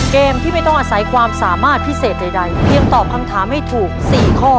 เกมที่ไม่ต้องอาศัยความสามารถพิเศษใดเพียงตอบคำถามให้ถูก๔ข้อ